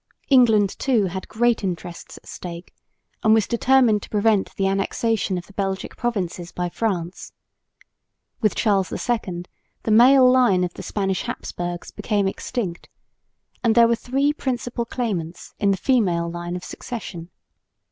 England, too, had great interests at stake, and was determined to prevent the annexation of the Belgic provinces by France. With Charles II the male line of the Spanish Habsburgs became extinct; and there were three principal claimants in the female line of succession.